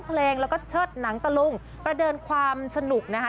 เพลงแล้วก็เชิดหนังตะลุงประเดินความสนุกนะคะ